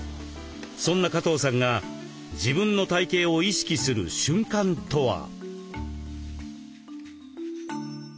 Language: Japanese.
そんな加藤さんが自分の体形を意識する瞬間とは？